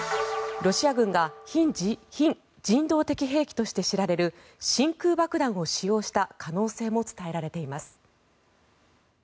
ロシア軍が非人道的兵器として知られる真空爆弾を使用した可能性も伝えられています。